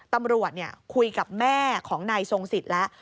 ตำรวจคุยกับแม่ของนายทรงสิทธิ์แล้ว